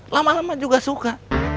lama lama juga suka